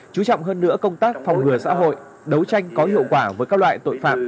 chú trọng hơn nữa công tác phòng ngừa xã hội đấu tranh có hiệu quả với các loại tội phạm